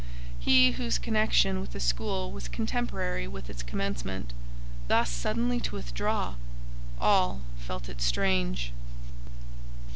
He, whose connection with the school was contemporary with its commencement, thus suddenly to withdraw! All felt it strange.